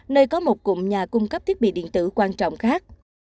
nơi có một cụm nhà cung cấp thiết bị điện tử quan trọng khác